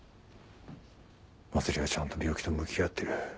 茉莉はちゃんと病気と向き合ってる。